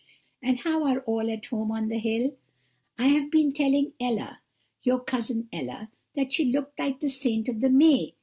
And how are all at home on the hill? I have been telling Ella, your cousin Ella, that she looked like the saint of the May.